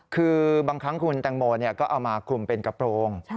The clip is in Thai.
คือบางครั้งคุณแตงโมก็เอามาคลุมเป็นกระโปรง